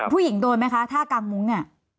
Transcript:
ผู้หญิงโดนมั้ยคะท่ากางมุ้งเนี่ย